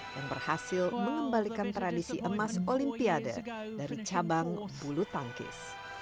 yang berhasil mengembalikan tradisi emas olimpiade dari cabang bulu tangkis